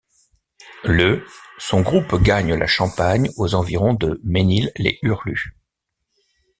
Le son groupe gagne la Champagne aux environs du Mesnil-les-Hurlus.